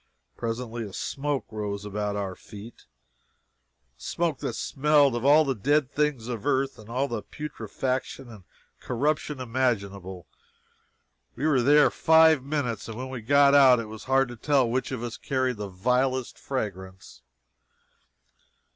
Presently a smoke rose about our feet a smoke that smelled of all the dead things of earth, of all the putrefaction and corruption imaginable. We were there five minutes, and when we got out it was hard to tell which of us carried the vilest fragrance.